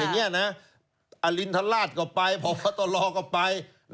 อันนี้นิยว่าอมร่ำอารินธรรมลาศด์กับไปผ่อประตโรกต่อไป